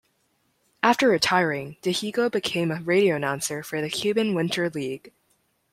After retiring, Dihigo became a radio announcer for the Cuban Winter League.